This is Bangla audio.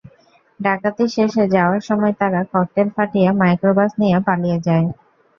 ডাকাতি শেষে যাওয়ার সময় তাঁরা ককটেল ফাটিয়ে মাইক্রোবাস নিয়ে পালিয়ে যায়।